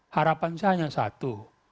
harapannya hanya satu